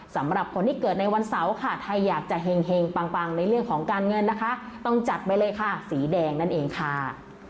สำหรับคนที่เกิดในวันเสาร์ค่ะถ้าอยากจะเห็งปังในเรื่องของการเงินนะคะต้องจัดไปเลยค่ะสีแดงนั่นเองค่ะ